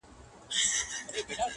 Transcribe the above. • د شاه شجاع د قتلېدلو وطن,